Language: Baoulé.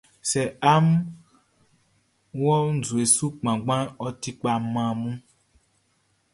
Sɛ amun nɔn nzue kpanngbanʼn, ɔ ti kpa man amun.